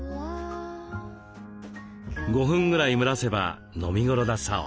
５分ぐらい蒸らせば飲みごろだそう。